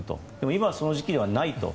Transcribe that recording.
今はその時期ではないと。